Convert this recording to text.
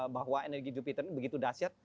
bahwa energi jupiter ini begitu dahsyat